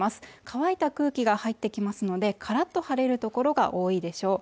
乾いた空気が入ってきますのでからっと晴れる所が多いでしょう